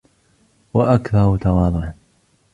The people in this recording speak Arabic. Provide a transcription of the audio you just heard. وَأَكْثَرُ تَوَاضُعًا